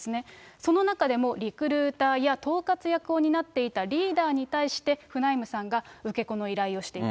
その中でもリクルーターや統括役を担っていたリーダーに対して、フナイムさんが受け子の依頼をしていた。